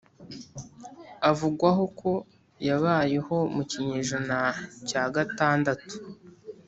avugwaho ko yabayeho mu kinyejana cya gatandatu